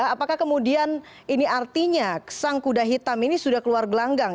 apakah kemudian ini artinya sang kuda hitam ini sudah keluar gelanggang